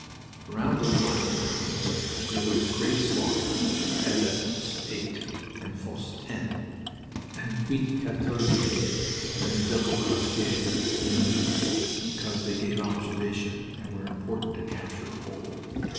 Around those black mounds there was great slaughter, as at Fosse 8 and Fosse 10 and Puits 14bis, and the Double Crassier near Loos, because they gave observation and were important to capture or hold.